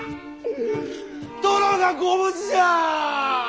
殿がご無事じゃあ！